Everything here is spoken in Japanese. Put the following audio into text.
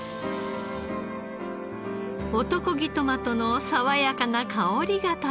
男気トマトの爽やかな香りが漂う味噌汁。